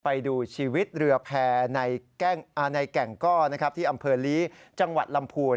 ไปดูชีวิตเรือแพร่ในแก่งก้อที่อำเภอลีจังหวัดลำพูน